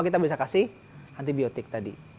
kita bisa kasih antibiotik tadi